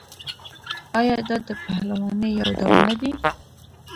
آیا دا د پهلوانۍ یو ډول نه دی؟